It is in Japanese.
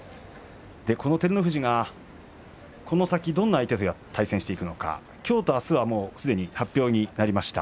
照ノ富士が、この先どんな相手と対戦していくのかきょうとあすはすでに発表になりました。